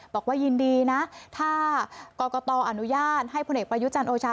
บอกว่ายินดีนะถ้ากรกตอนุญาตให้พลเอกประยุจันทร์โอชา